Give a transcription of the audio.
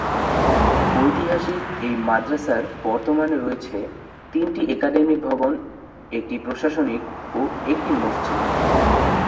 ঐতিহাসিক এই মাদ্রাসার বর্তমানে রয়েছে তিনটি একাডেমিক ভবন, একটি প্রশাসনিক ও একটি মসজিদ।